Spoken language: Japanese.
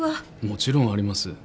もちろんあります。